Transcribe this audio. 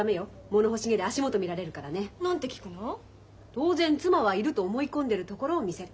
当然妻はいると思い込んでるところを見せる。